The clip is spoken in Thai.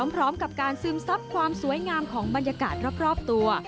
พร้อมกับการซึมซับความสวยงามของบรรยากาศรอบตัว